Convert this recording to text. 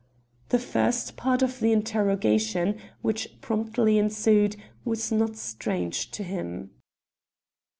The first part of the interrogation, which promptly ensued, was not strange to him.